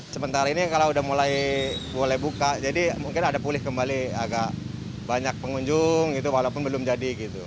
sementara ini kalau udah mulai boleh buka jadi mungkin ada pulih kembali agak banyak pengunjung gitu walaupun belum jadi gitu